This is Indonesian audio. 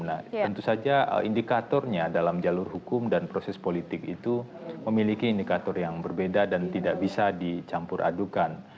nah tentu saja indikatornya dalam jalur hukum dan proses politik itu memiliki indikator yang berbeda dan tidak bisa dicampur adukan